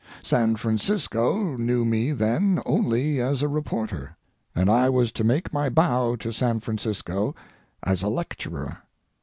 San Francisco knew me then only as a reporter, and I was to make my bow to San Francisco as a lecturer.